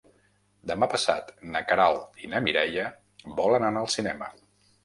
Demà passat na Queralt i na Mireia volen anar al cinema.